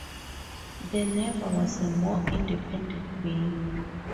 There never was a more independent being.